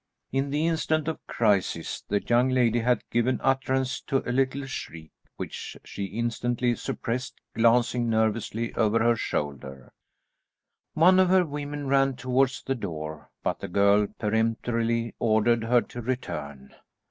In the instant of crisis the young lady had given utterance to a little shriek which she instantly suppressed, glancing nervously over her shoulder. One of her women ran towards the door, but the girl peremptorily ordered her to return.